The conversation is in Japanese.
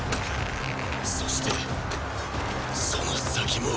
そしてその先も。